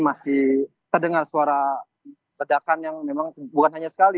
masih terdengar suara ledakan yang memang bukan hanya sekali